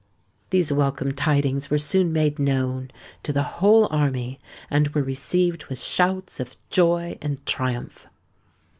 These welcome tidings were soon made known to the whole army, and were received with shouts of joy and triumph.